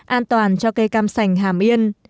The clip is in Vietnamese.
an toàn cho cây cam sành hàm yên